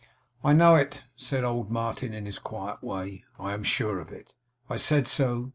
'I know it,' said old Martin, in his quiet way. 'I am sure of it. I said so.